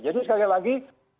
jadi sekali lagi